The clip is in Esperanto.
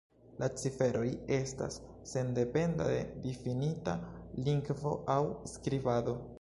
La ciferoj estas sendependa de difinita lingvo aŭ skribado.